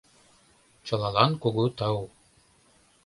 Чылалан кугу тау.